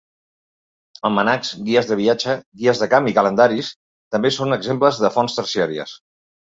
Almanacs, guies de viatge, guies de camp i calendaris també són exemples de fonts terciàries.